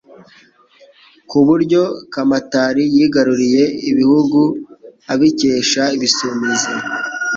ku buryo Kamatari yigaruriye ibihugu abikesha Ibisumizi.